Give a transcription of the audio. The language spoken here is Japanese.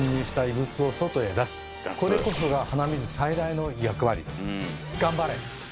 これこそが鼻水最大の役割です。